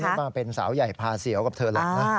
ฉันไม่มาเป็นสาวใหญ่พาเสี่ยวกับเธอแหละ